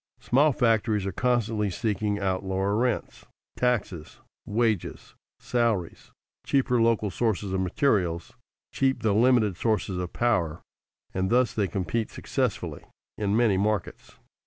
Small factories are constantly seeking out lower rents, taxes, wages, salaries, cheaper local sources of materials, cheap though limited sources of power, and thus they compete successfully in many markets.